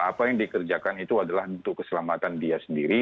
apa yang dikerjakan itu adalah untuk keselamatan dia sendiri